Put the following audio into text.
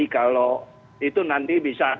kalau itu nanti bisa